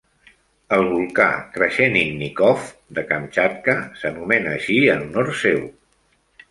El volcà Krasheninnikov de Kamchatka s'anomena així en honor seu.